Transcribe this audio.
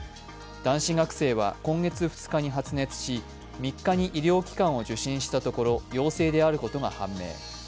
男子学生は今月２日に発熱し、３日に医療機関を受診したところ陽性であることが判明。